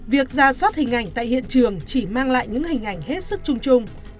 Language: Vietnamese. việc ra soát hình ảnh tại hiện trường chỉ mang lại những hình ảnh hết sức chung chung